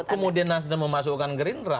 kalau kemudian nasdem memasukkan gerindra